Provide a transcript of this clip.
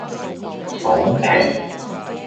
爽皮